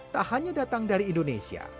tak hanya datang dari indonesia